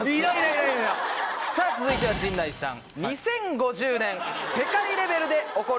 さぁ続いては陣内さん。